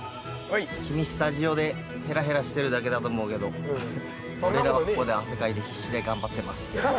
君スタジオでヘラヘラしてるだけだと思うけど俺らはここで汗かいて必死で頑張ってます。